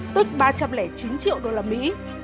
tức ba trăm linh chín triệu đô la mỹ